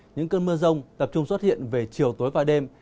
những cơn mưa rông tập trung xuất hiện về chiều tối và đêm